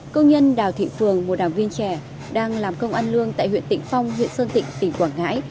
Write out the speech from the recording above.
công nhân đào thị phường một đảng viên trẻ đang làm công ăn lương tại huyện tịnh phong huyện sơn tịnh tỉnh quảng ngãi